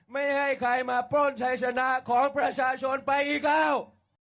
ไม่ให้ใครมาปล้นชัยชนะของประชาชนไปอีกแล้ว